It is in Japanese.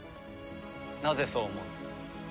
なぜそう思う？